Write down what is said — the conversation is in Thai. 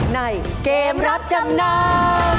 ในเกมรับจำนำ